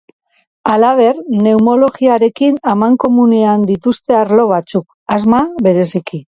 Halaber, neumologiarekin amankomunean dituzte arlo batzuk, asma bereziki.